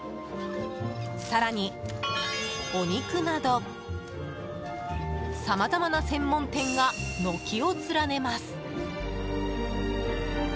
更に、お肉などさまざまな専門店が軒を連ねます。